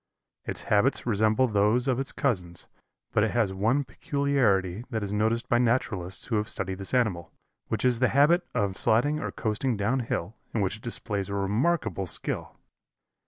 Its habits resemble those of its cousins, but it has one peculiarity that is noticed by naturalists who have studied this animal, which is the habit of sliding or coasting down hill, in which it displays a remarkable skill.